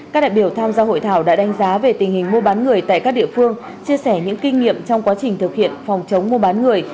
các đại biểu tham gia hội thảo đã đánh giá về tình hình mua bán người tại các địa phương chia sẻ những kinh nghiệm trong quá trình thực hiện phòng chống mua bán người